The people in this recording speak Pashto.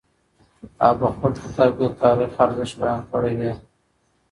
هغه په خپل کتاب کي د تاریخ ارزښت بیان کړی دی.